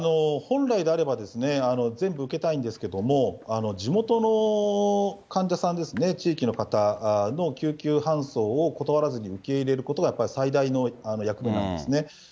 本来であれば、全部受けたいんですけれども、地元の患者さんですね、地域の方の救急搬送を断らずに受け入れることが最大の役目なんですね。